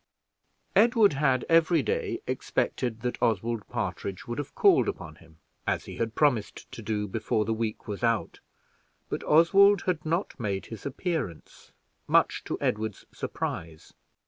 Edward had, every day, expected that Oswald Partridge would have called upon him, as he had promised to do, before the week was out; but Oswald had not made his appearance, much to Edward's surprise.